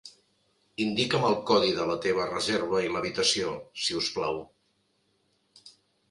Indica'm el codi de la teva reserva i l'habitació, si us plau.